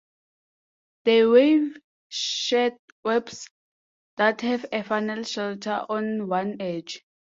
They weave sheet webs that have a funnel shelter on one edge.